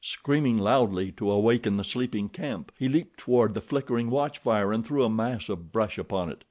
Screaming loudly to awaken the sleeping camp, he leaped toward the flickering watch fire and threw a mass of brush upon it.